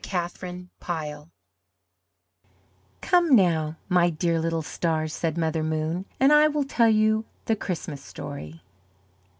KATHERINE PYLE "Come now, my dear little stars," said Mother Moon, "and I will tell you the Christmas story."